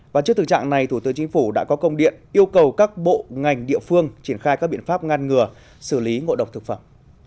và trước thực trạng này thủ tướng chính phủ đã có công điện yêu cầu các bộ ngành địa phương triển khai các biện pháp ngăn ngừa xử lý ngộ độc thực phẩm